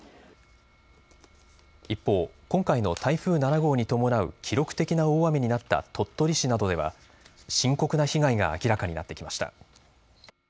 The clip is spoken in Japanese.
一方、今回の台風７号に伴う記録的な大雨になった鳥取市などでは深刻な被害が明らかになってきました。